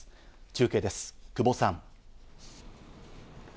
中継です、久保さん。